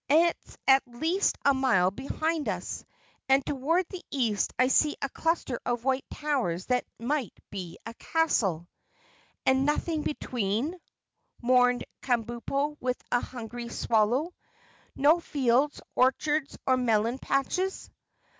"It's at least a mile behind us, and toward the east I see a cluster of white towers that might be a castle." "And nothing between," mourned Kabumpo with a hungry swallow. "No fields, orchards or melon patches?"